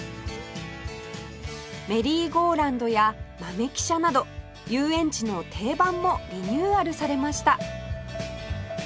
メリーゴーランドや豆汽車など遊園地の定番もリニューアルされました